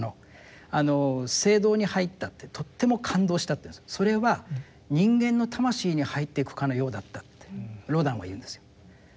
聖堂に入ったってとっても感動したって「それは人間の魂に入っていくかのようだった」ってロダンは言うんですよ。